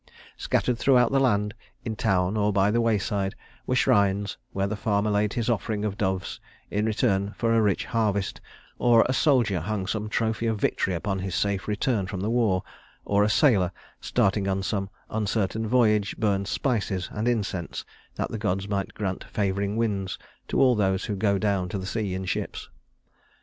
Scattered throughout the land, in town or by the wayside, were shrines where the farmer laid his offering of doves in return for a rich harvest, or a soldier hung some trophy of victory upon his safe return from the war or a sailor, starting on some uncertain voyage, burned spices and incense that the gods might grant favoring winds to all those who go down to the sea in ships.